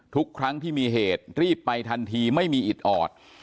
ทุกครั้งที่มีเหตุรีบไปทันทีไม่มีอิดออด